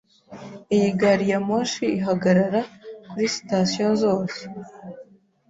Iyi gari ya moshi ihagarara kuri sitasiyo zose.